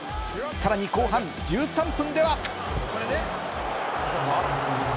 さらに後半１３分では。